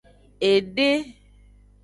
Ede.